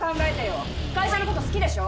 会社のこと好きでしょ？